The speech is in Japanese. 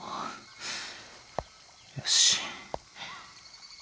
よし。